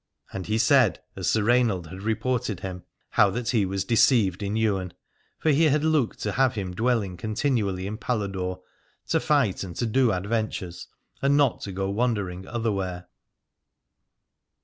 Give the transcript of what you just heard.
And he said as Sir Rainald 293 Aladore had reported him, how that he was deceived in Ywain : for he had looked to have him dwelling continually in Paladore, to fight and to do adventures, and not to go wandering otherwhere.